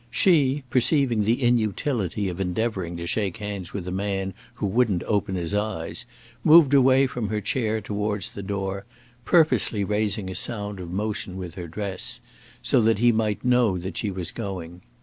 She, perceiving the inutility of endeavouring to shake hands with a man who wouldn't open his eyes, moved away from her chair towards the door, purposely raising a sound of motion with her dress, so that he might know that she was going.